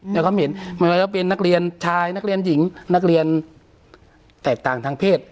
ความเห็นไม่ว่าจะเป็นนักเรียนชายนักเรียนหญิงนักเรียนแตกต่างทางเพศ